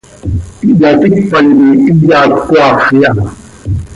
Ihyaticpan quih iyat cöcaafp iha.